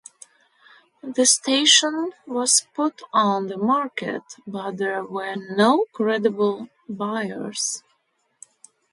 The station was put on the market, but there were no credible buyers.